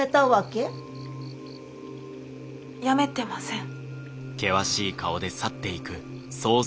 辞めてません。